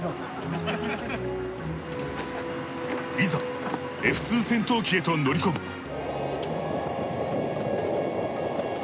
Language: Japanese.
いざＦ−２戦闘機へと乗り込む。